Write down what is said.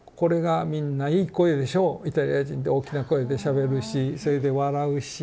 イタリア人で大きな声でしゃべるしそれで笑うし。